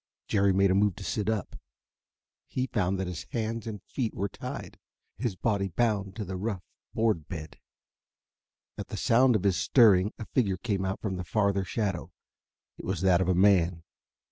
Jerry made a move to sit up. He found that his hands and feet were tied, his body bound to the rough board bed. At the sound of his stirring, a figure came out from the farther shadow. It was that of a man.